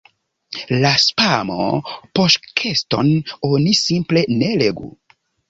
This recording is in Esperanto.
La "spamo-"poŝtkeston oni simple ne legu.